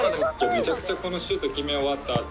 めちゃくちゃこのシュート決め終わった後。